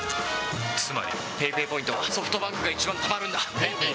つまりＰａｙＰａｙポイントはソフトバンクが一番たまるんだ。